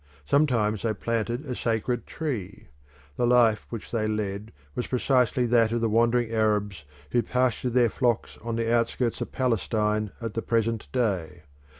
Sometimes they planted a sacred tree. The life which they led was precisely that of the wandering Arabs who pasture their flocks on the outskirts of Palestine at the present day.